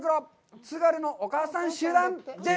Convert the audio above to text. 津軽のお母さん集団です。